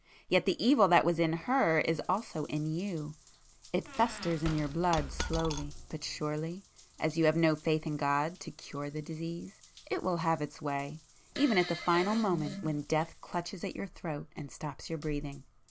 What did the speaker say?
Yet the evil that was in her is also in you,—it festers in your blood slowly but surely, and as you have no faith in God to cure the disease, it will have its way—even at the final moment when death clutches at your throat and stops your breathing.